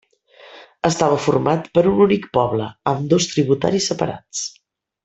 Estava format per un únic poble, amb dos tributaris separats.